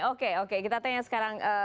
oke oke kita tanya sekarang kepada pak dhani